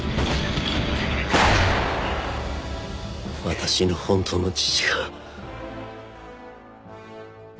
私の本当の父が。